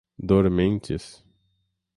Dormentes